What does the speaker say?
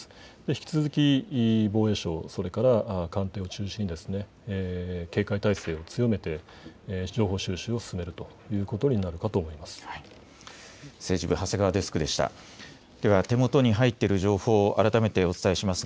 引き続き防衛省、それから官邸を中心に警戒態勢を強めて情報収集を進めるということになるかと思います。